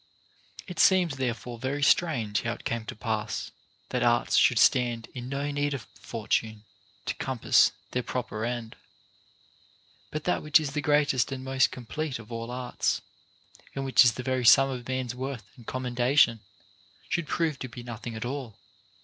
5. It seems therefore very strange how it came to pass that arts should stand in no need of Fortune to compass their proper end, but that which is the greatest and most complete of all arts, and which is the very sum of man's worth and commendation, should prove to be nothing at all.